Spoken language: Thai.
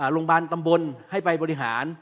โรงพยาบาลตำบลให้ไปบริหาร